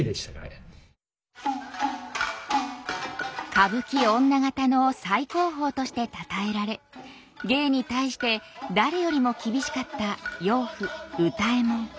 歌舞伎女方の最高峰としてたたえられ芸に対して誰よりも厳しかった養父歌右衛門。